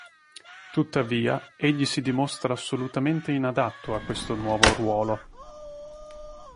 Tuttavia, egli si dimostra assolutamente inadatto a questo nuovo ruolo.